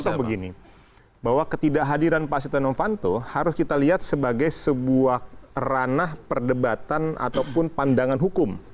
contoh begini bahwa ketidakhadiran pak sita novanto harus kita lihat sebagai sebuah ranah perdebatan ataupun pandangan hukum